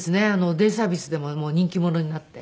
デイサービスでも人気者になって。